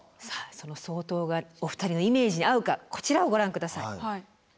さあその「相当」がお二人のイメージに合うかこちらをご覧下さい。